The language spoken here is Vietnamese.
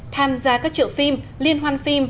tham gia các trợ phim liên hoan phim